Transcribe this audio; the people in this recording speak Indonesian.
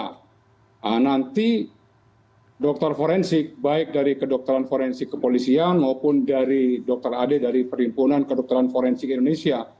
nah nanti dokter forensik baik dari kedokteran forensik kepolisian maupun dari dr ade dari perhimpunan kedokteran forensik indonesia